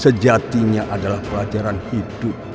sejatinya adalah pelajaran hidup